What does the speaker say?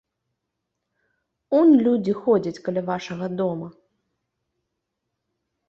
Унь людзі ходзяць каля вашага дома.